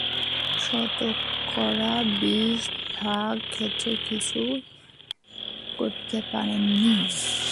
শতকরা বিশ ভাগ ক্ষেত্রে কিছুই করতে পারিনি।